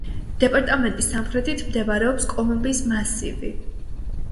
დეპარტამენტის სამხრეთით მდებარეობს კოლუმბიის მასივი.